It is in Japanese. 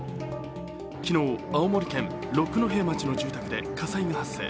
昨日、青森県六戸町の住宅で火災が発生。